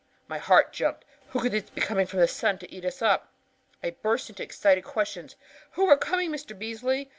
"My heart jumped. Who could be coming from the sun to eat us up? I burst into excited questions. 'Who are coming, Mr. Beasley?